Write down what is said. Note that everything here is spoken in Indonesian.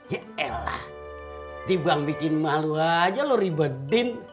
yaelah tiba tiba bikin malu aja lo ribetin